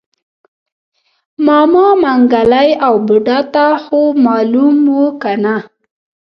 ماما منګلی او بوډا ته خومالوم و کنه.